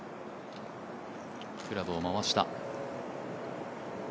クラブを回した。